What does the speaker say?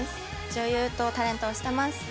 女優とタレントをしてます。